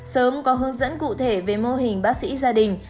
sớm có hướng dẫn cụ thể về mô hình bác sĩ gia đình